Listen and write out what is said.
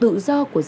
thủ đô anh hùng